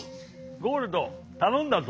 ゴールドたのんだぞ。